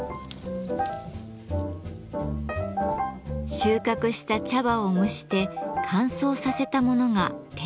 収穫した茶葉を蒸して乾燥させたものが「碾茶」です。